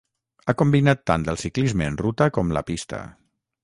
Ha combinat tant el ciclisme en ruta com la pista.